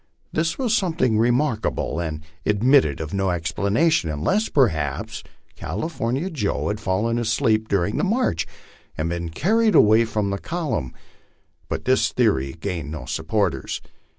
This was somewhat remarkable, and admitted of no explana tion unless, perhaps, California Joe had fallen asleep during the march and been carried away from the column; but this theory gained no supporters.